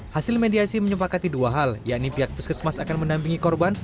hasil mediasi menyempakati dua hal yakni pihak puskesmas akan mendampingi korban